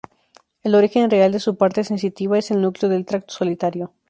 El origen real de su parte sensitiva es el núcleo del tracto solitario.